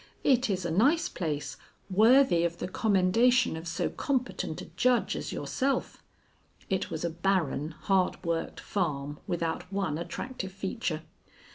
"It is a nice place, worthy of the commendation of so competent a judge as yourself." (It was a barren, hard worked farm, without one attractive feature.)